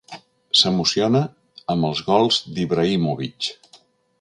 S'emociona amb els gols d'Ibrahimovic.